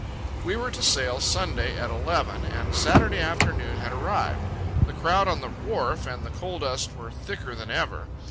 We were to sail Sunday at eleven, and Saturday afternoon had arrived. The crowd on the wharf and the coal dust were thicker than ever.